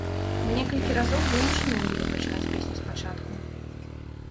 Мы некалькі разоў вымушаныя былі пачынаць песню спачатку.